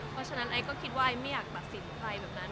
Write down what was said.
เพราะฉะนั้นไอซ์ก็คิดว่าไอซ์ไม่อยากตัดสินใครแบบนั้น